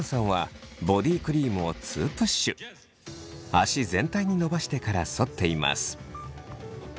脚全体にのばしてからそっています。